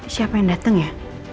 siapa yang datang ya